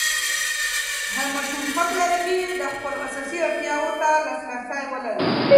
هر ماشوم حق لري چې د خپلو اساسي اړتیاوو ته لاسرسی ولري.